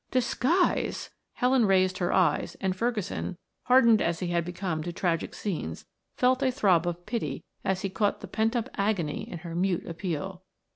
"Disguise!" Helen raised her eyes and Ferguson, hardened as he had become to tragic scenes, felt a throb of pity as he caught the pent up agony in her mute appeal.